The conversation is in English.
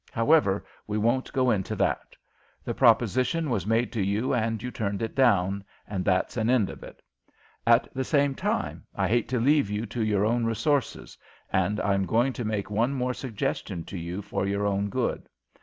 However, we won't go into that. The proposition was made to you and you turned it down, and that's an end of it. At the same time, I hate to leave you to your own resources and I'm going to make one more suggestion to you for your own good.